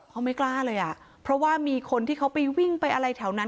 เขาไม่กล้าเลยอ่ะเพราะว่ามีคนที่เขาไปวิ่งไปอะไรแถวนั้น